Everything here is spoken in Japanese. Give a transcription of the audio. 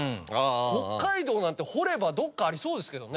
北海道なんて掘ればどこかありそうですけどね。